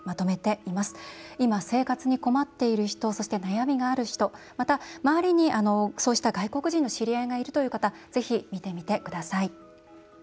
いま、せいかつにこまっているひとそして、なやみがあるひと周りに、そうした外国人の知り合いがいるという方ぜひ見てみてください。